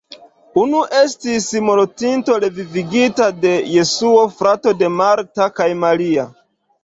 Unu estis mortinto revivigita de Jesuo, frato de Marta kaj Maria.